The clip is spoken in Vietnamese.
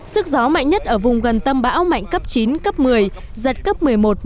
sức gió mạnh nhất ở vùng gần tâm bão mạnh cấp chín cấp một mươi giật cấp một mươi một một mươi